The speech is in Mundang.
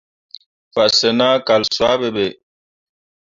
Fasyen ah kal suah ɓe be.